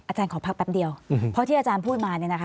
อาจารย์ขอพักแป๊บเดียวเพราะที่อาจารย์พูดมา